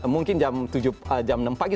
mungkin jam enam pagi